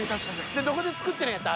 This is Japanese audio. どこで作ってるんやった？